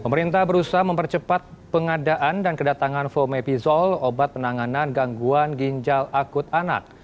pemerintah berusaha mempercepat pengadaan dan kedatangan fomepizol obat penanganan gangguan ginjal akut anak